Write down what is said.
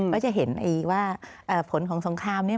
ก็จะเห็นว่าผลของสงครามนี้